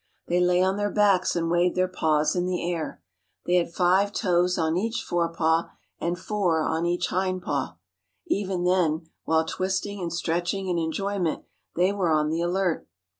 They lay on their backs and waved their paws in the air. They had five toes on each fore paw and four on each hind paw. Even then, while twisting and stretching in enjoyment, they were on the alert.